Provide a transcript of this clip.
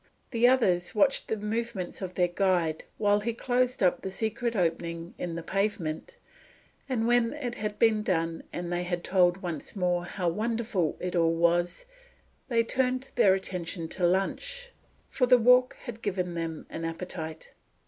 The others watched the movements of their guide while he closed up the secret opening in the pavement, and when it had been done and they had told once more how wonderful it all was, they turned their attention to lunch, for the walk had given them an appetite.